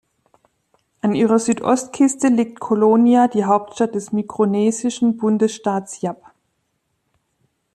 An ihrer Südostküste liegt Colonia, die Hauptstadt des mikronesischen Bundesstaats Yap.